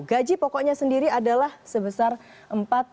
gaji pokoknya sendiri adalah sebesar rp empat dua juta